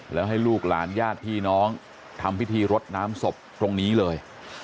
แล้วให้ลูกหลานญาติพี่น้องทำพิธีรดน้ำศพตรงนี้เลย